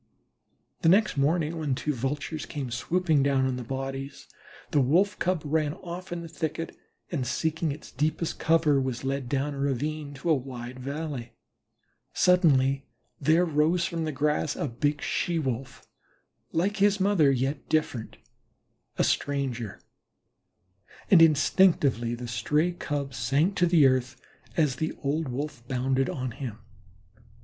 The next morning when two Vultures came swooping down on the bodies, the Wolf cub ran off in the thicket, and seeking its deepest cover, was led down a ravine to a wide valley. Suddenly there arose from the grass a big She wolf, like his mother, yet different, a stranger, and instinctively the stray Cub sank to the earth, as the old Wolf bounded on him.